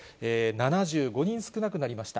７５人少なくなりました。